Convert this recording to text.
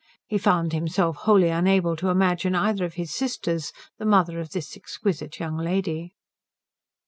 He found himself wholly unable to imagine either of his sisters the mother of this exquisite young lady.